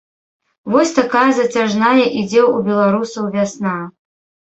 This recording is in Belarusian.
Вось такая зацяжная ідзе ў беларусаў вясна.